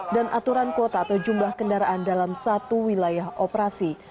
dan aturan kuota atau jumlah kendaraan dalam satu wilayah operasi